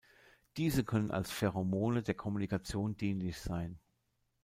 Diese können als "Pheromone" der Kommunikation dienlich sein.